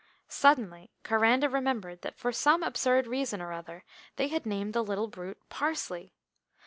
Suddenly Coranda remembered that for some absurd reason or other they had named the little brute "Parsley."